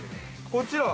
◆こちら？